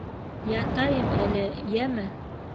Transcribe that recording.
Ятайым әле, йәме.